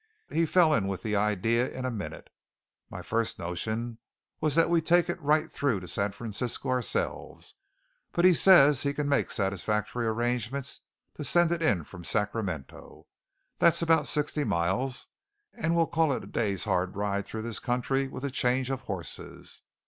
He fell in with the idea in a minute. My first notion was that we take it right through to San Francisco ourselves; but he says he can make satisfactory arrangements to send it in from Sacramento. That's about sixty miles; and we'll call it a day's hard ride through this country, with a change of horses.